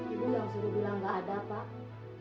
ibu yang suruh bilang nggak ada pak